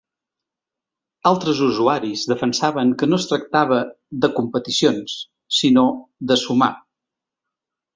Altres usuaris defensaven que no es tractava “de competicions” sinó “de sumar”.